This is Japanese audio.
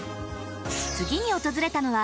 次に訪れたのは。